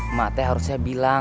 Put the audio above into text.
emak teh harusnya bilang